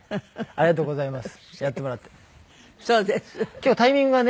ありがとうございます。